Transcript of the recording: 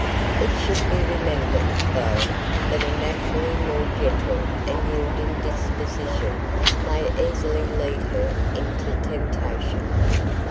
It should be remembered, though, that a naturally more gentle and yielding disposition may easily lead her into temptation.